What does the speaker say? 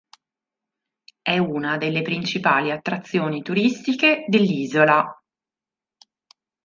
È una delle principali attrazioni turistiche dell'isola.